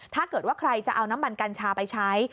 ถ้าเกิดว่าใครจะเอาน้ำมันกัญชาไปใช้